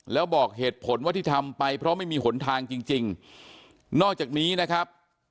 แล้วบอกเหตุผลว่าที่ทำไปเพราะไม่มีหนทางจริงจริงนอกจากนี้นะครับ